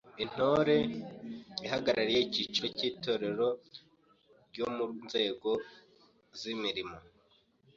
Intore ihagarariye icyiciro cy’Itorero ryo mu nzego z’imirimo;